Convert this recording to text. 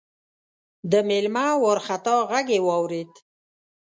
د مېلمه وارخطا غږ يې واورېد: